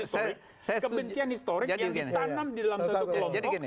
kebencian historik yang ditanam di dalam satu kelompok